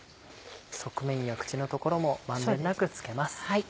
側面や口のところも満遍なく付けます。